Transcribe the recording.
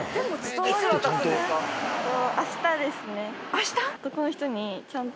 明日？